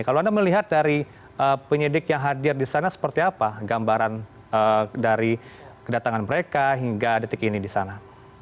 kalau anda melihat dari penyidik yang hadir di sana seperti apa gambaran dari kedatangan mereka hingga detik ini di sana